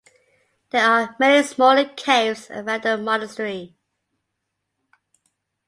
There are many smaller caves around the monastery.